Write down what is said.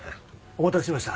お待たせしました。